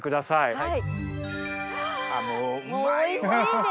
はい。